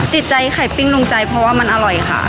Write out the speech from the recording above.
ติดใจไข่ปิ้งลงใจเพราะว่ามันอร่อยค่ะ